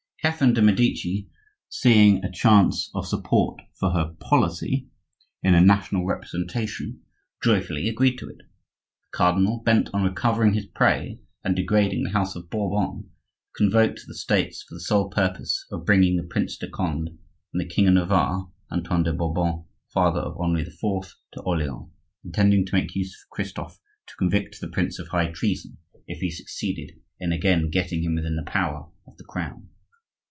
Catherine de' Medici, seeing a chance of support to her policy in a national representation, joyfully agreed to it. The cardinal, bent on recovering his prey and degrading the house of Bourbon, convoked the States for the sole purpose of bringing the Prince de Conde and the king of Navarre (Antoine de Bourbon, father of Henri IV.) to Orleans,—intending to make use of Christophe to convict the prince of high treason if he succeeded in again getting him within the power of the Crown.